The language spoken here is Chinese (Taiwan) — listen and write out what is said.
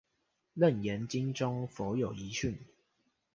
楞嚴經中佛有遺訓